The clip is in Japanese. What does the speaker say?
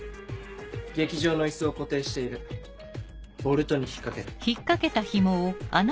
・劇場のイスを固定しているボルトに引っ掛ける